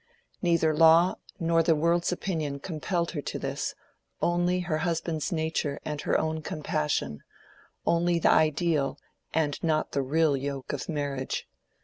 Neither law nor the world's opinion compelled her to this—only her husband's nature and her own compassion, only the ideal and not the real yoke of marriage.